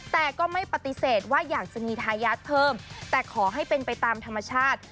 แต่ก็ไม่ปฏิเสธว่าอยากจะมีทายาทเพิ่มแต่ขอให้เป็นไปตามธรรมชาติ